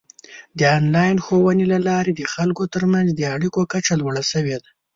د آنلاین ښوونې له لارې د خلکو ترمنځ د اړیکو کچه لوړه شوې ده.